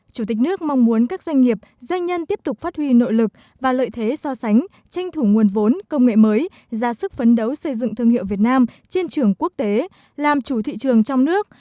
chủ tịch nước mong muốn các doanh nghiệp doanh nhân tiếp tục phát huy nội lực và lợi thế so sánh tranh thủ nguồn vốn công nghệ mới ra sức phấn đấu xây dựng thương hiệu việt nam trên trường quốc tế làm chủ thị trường trong nước